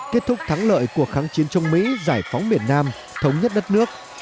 kết thúc thắng lợi cuộc kháng chiến trong mỹ giải phóng biển nam thống nhất đất nước